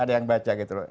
ada yang baca gitu loh